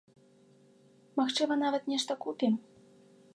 Магчыма, нават нешта купім.